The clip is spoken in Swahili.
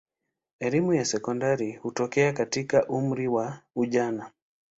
Elimu ya sekondari hutokea katika umri wa ujana.